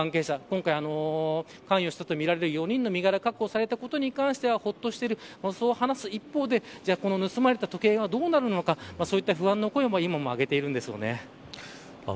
お店の関係者は、今回関与したとみられる４人の身柄が確保されたことに関してほっとしていると話す一方で盗まれた時計はどうなるのかそういう不安の声を上げています。